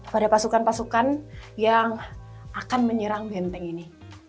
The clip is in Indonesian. pada pasukan pasukan yang akan menyerang benteng ini